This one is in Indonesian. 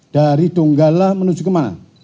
dari donggala menuju kemana